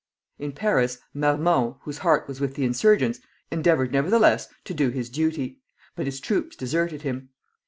In Paris, Marmont, whose heart was with the insurgents, endeavored nevertheless to do his duty; but his troops deserted him.